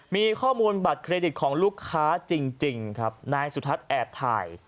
มีข้อมูลบัตรเครดิตของลูกค้าจริงครับนายสุทัศน์แอบถ่าย